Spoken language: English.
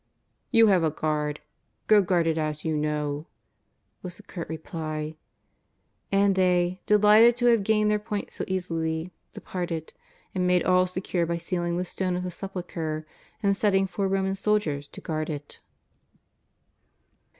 ''" You have a guard, go guard it as you know," was the curt reply. And they, delighted to have gained their point so easily, departed and made all secure by sealing the stone of the Sepulchre and setting four Roman soldiers to guard it.